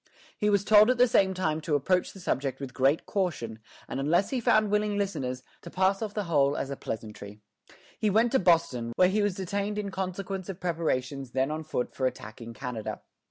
He was told at the same time to approach the subject with great caution, and unless he found willing listeners, to pass off the whole as a pleasantry. He went to Boston, where he was detained in consequence of preparations then on foot for attacking Canada.